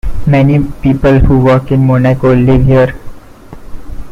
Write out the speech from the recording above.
Many people who work in Monaco live here.